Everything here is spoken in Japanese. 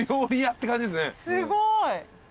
すごい。